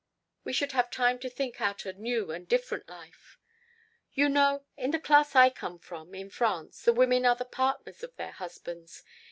"We should have time to think out a new and different life.... "You know in the class I come from in France the women are the partners of their husbands.